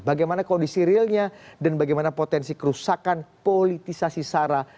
bagaimana kondisi realnya dan bagaimana potensi kerusakan politisasi sara